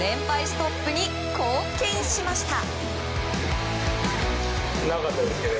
ストップに貢献しました。